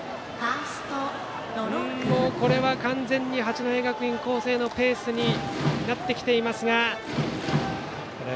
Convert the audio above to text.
もうこれは完全に八戸学院光星のペースになってきていますが。